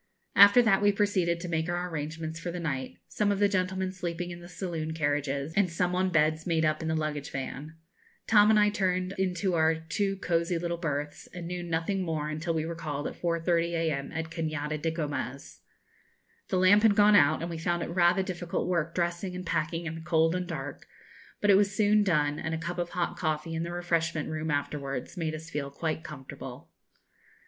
After that we proceeded to make our arrangements for the night; some of the gentlemen sleeping in the saloon carriages, and some on beds made up in the luggage van. Tom and I turned into our two cozy little berths, and knew nothing more until we were called at 4.30 a.m. at Cañada de Gomez. The lamp had gone out, and we found it rather difficult work dressing and packing in the cold and dark; but it was soon done, and a cup of hot coffee in the refreshment room afterwards made us feel quite comfortable.